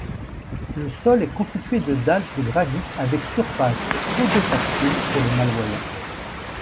Le sol est constituée de dalle de granit avec surface podotactile pour les malvoyants.